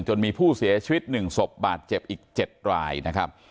จนมีผู้เสียชีวิตหนึ่งสบบาดเจ็บอีกเจ็ดรายนะครับ